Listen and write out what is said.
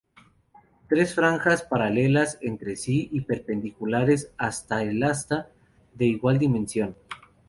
Tres franjas paralelas entre sí y perpendiculares al asta, de igual dimensión.